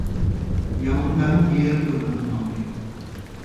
Яурындарын йыйырып ырғыны Маугли.